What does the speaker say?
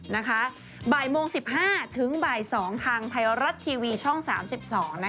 บ่ายโมง๑๕ถึงบ่าย๒ทางไทยรัฐทีวีช่อง๓๒